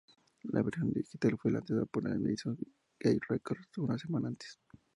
La versión digital fue lanzada por Madison Gate Records una semana antes.